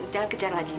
jangan kejar lagi udah